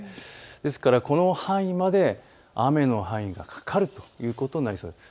ですから、この範囲まで雨の範囲がかかるということになります。